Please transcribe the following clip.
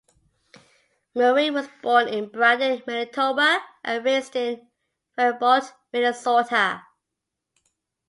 Murray was born in Brandon, Manitoba and raised in Faribault, Minnesota.